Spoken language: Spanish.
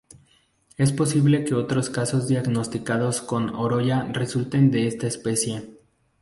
Es posible que otros casos diagnosticados con Oroya resulten de esta especie.